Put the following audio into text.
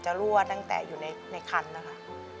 รั่วตั้งแต่อยู่ในคันนะคะ